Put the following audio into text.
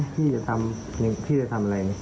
พี่จะทำพี่จะทำอะไร